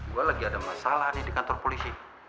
gue lagi ada masalah nih di kantor polisi